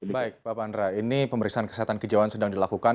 baik bapak andra ini pemeriksaan kesehatan kejauhan sedang dilakukan